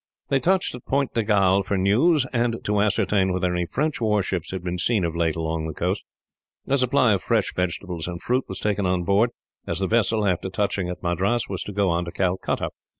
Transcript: They touched at Point de Galle for news, and to ascertain whether any French warships had been seen, of late, along the coast. A supply of fresh vegetables and fruit was taken on board, as the vessel, after touching at Madras, was to go on to Calcutta.